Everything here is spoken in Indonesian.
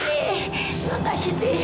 terima kasih t